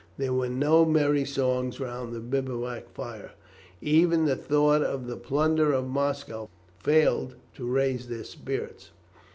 There were no merry songs round the bivouac fires now; even the thought of the plunder of Moscow failed to raise their spirits.